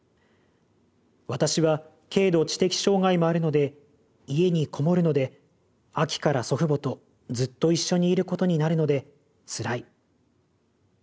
私は軽度知的障害もあるので家にこもるので秋から祖父母とずっと一緒にいることになるのでつらい。